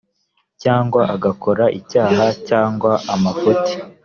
cyangwa agakora icyaha cyangwa amafuti,